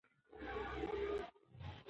زه به هره اونۍ په دې میدان کې یم.